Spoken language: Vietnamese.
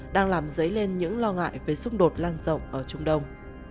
đang làm dấy lên những lo ngại về xung đột lan rộng ở trung đông